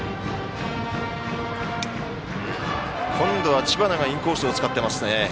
今度は知花がインコースを使っていますね。